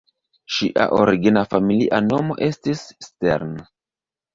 Ŝia origina familia nomo estis "Stern".